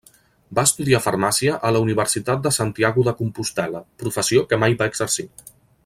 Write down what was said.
Va estudiar Farmàcia a la Universitat de Santiago de Compostel·la, professió que mai va exercir.